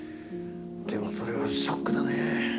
でもそれはショックだね。